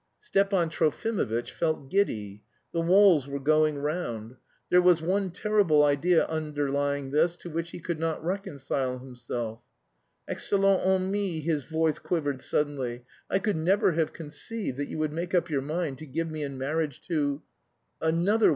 Stepan Trofimovitch felt giddy. The walls were going round. There was one terrible idea underlying this to which he could not reconcile himself. "Excellente amie," his voice quivered suddenly. "I could never have conceived that you would make up your mind to give me in marriage to another...